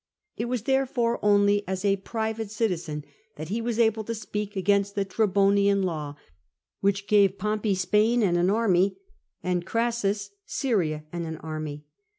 It was therefore only as a private person that he was able to speak against the Trebonian Law which gave Pompey Spain and an army, and Crassus Syria and an army.